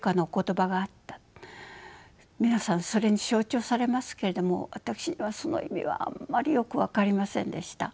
皆さんそれに象徴されますけれども私にはその意味はあんまりよく分かりませんでした。